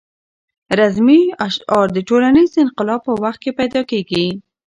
رزمي اشعار د ټولنیز انقلاب په وخت کې پیدا کېږي.